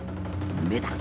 目だ！